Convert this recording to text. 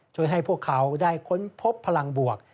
ช่วยให้พวกเขาได้ค้นพบพลังบวก